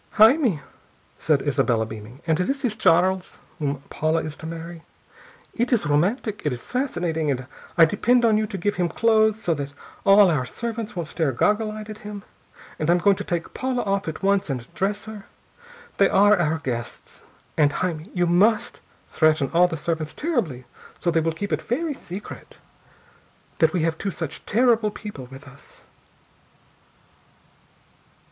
"Jaime," said Isabella, beaming. "And this is Charles, whom Paula is to marry! It is romantic! It is fascinating! And I depend on you to give him clothes so that all our servants won't stare goggle eyed at him, and I am going to take Paula off at once and dress her! They are our guests! And, Jaime, you must threaten all the servants terribly so they will keep it very secret that we have two such terrible people with us."